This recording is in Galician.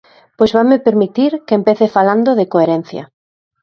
Pois vanme permitir que empece falando de coherencia.